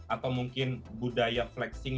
atau mungkin budaya flexing